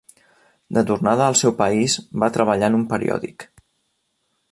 De tornada al seu país va treballar en un periòdic.